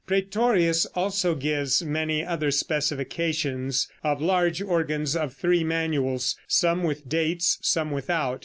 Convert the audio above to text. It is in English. Prætorius also gives many other specifications of large organs of three manuals, some with dates, some without.